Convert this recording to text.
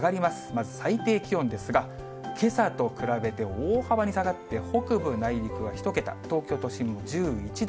まず最低気温ですが、けさと比べて大幅に下がって、北部内陸は１桁、東京都心も１１度。